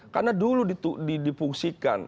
karena dulu dipungsikan